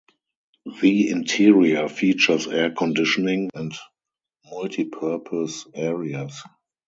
The interior features air conditioning and multipurpose areas.